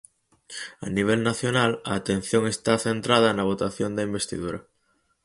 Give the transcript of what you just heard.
A nivel nacional, a atención está centrada na votación da investidura.